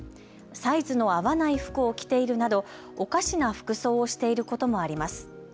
サイズの合わない服を着ているなど、おかしな服装をしていることもあります。